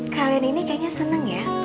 kalian ini kayaknya seneng ya